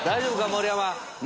盛山。